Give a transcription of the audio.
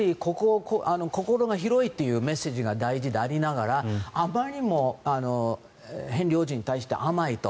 心が広いというメッセージが大事でありながらあまりにもヘンリー王子に対して甘いと。